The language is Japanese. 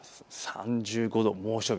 ３５度、猛暑日